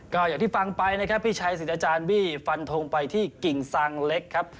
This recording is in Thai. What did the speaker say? ก็อย่างที่ฟังไปนะครับพี่ชัยสิทธิ์อาจารย์บี้ฟันทงไปที่กิ่งซางเล็กครับ